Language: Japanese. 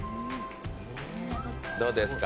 どうですか？